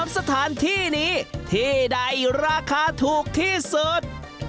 สถานที่นี้ที่ใดราคาถูกที่สุด